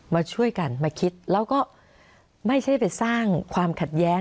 มาช่วยกันมาคิดแล้วก็ไม่ใช่ไปสร้างความขัดแย้ง